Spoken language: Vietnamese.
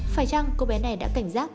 phải chăng cô bé này đã cảnh giác